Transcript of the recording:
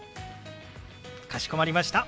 かしこまりました。